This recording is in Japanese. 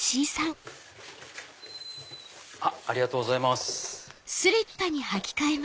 ありがとうございます。